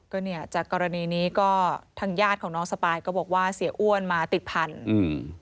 ก็เนี่ยจากกรณีนี้ก็ทางญาติของน้องสปายก็บอกว่าเสียอ้วนมาติดพันธุ์อืม